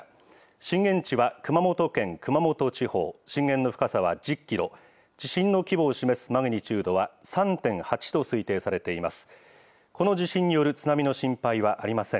震源地は熊本県熊本地方、震源の深さは１０キロ、地震の規模を示すマグニチュードは３．８と推定されています。